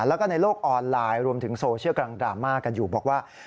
แล้วก็ในโลกออนไลน์รวมถึงโซเชียลกำลังดราม่ากันอยู่บอกว่า